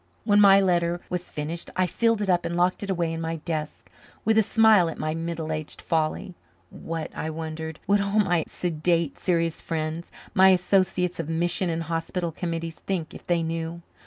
When my letter was finished I sealed it up and locked it away in my desk with a smile at my middle aged folly. What, I wondered, would all my sedate, serious friends, my associates of mission and hospital committees think if they knew.